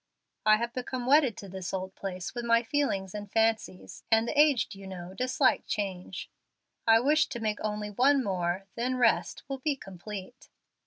I have become wedded to this old place with my feelings and fancies, and the aged, you know, dislike change. I wish to make only one more, then rest will be complete."